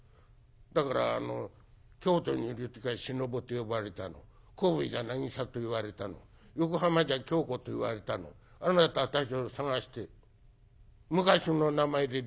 だからあの『京都にいるときゃ忍と呼ばれたの神戸じゃ渚と言われたの横浜じゃきょうこと言われたのあなたたちをさがして昔の名前で出ています』。